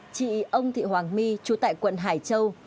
chị ông thị hoàng my trú tại quận hải châu